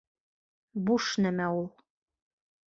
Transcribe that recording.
— Буш нәмә ул!